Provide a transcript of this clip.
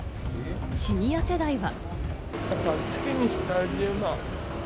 シニア世代は。